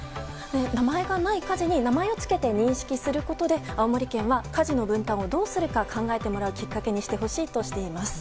名前がない家事に名前を付けて認識することで青森県は家事の分担をどうするか考えてもらうきっかけにしてほしいとしています。